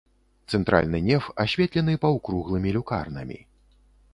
Цэнтральны неф асветлены паўкруглымі люкарнамі.